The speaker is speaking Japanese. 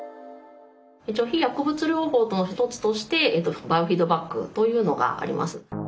一応非薬物療法の一つとしてバイオフィードバックというのがあります。